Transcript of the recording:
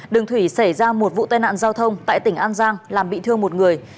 đường thủy xảy ra một vụ tai nạn giao thông tại tỉnh an giang làm bị thương một người